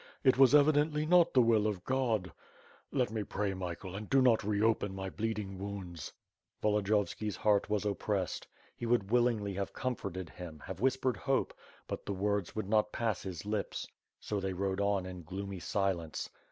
It was evidently not the will of God. ... Let me pray, Michael, and do not reopen my bleeding wounds." .... Volodiyovski's heart was oppressed. He would willingly have comforted him, have whispered hope; but the words would not pass his lips, so they rode on in gloomy silence.